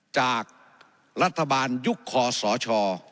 จากรัฐบาลยุคคอสช